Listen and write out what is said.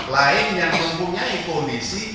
lain yang mempunyai kondisi